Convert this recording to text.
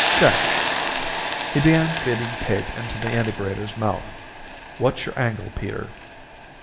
"Check." He began feeding tape into the integrator's mouth. "What's your angle, Peter?"